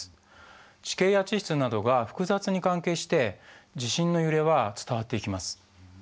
地形や地質などが複雑に関係して地震の揺れは伝わっていきます。